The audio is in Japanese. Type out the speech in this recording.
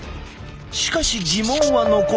しかし疑問は残る。